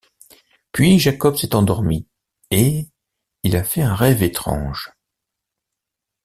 Puis Jacob s'est endormi et il a fait un rêve étrange.